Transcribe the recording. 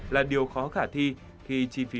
là điều khó khả thi khi chi phí